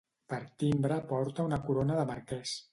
Per timbre porta una corona de marquès.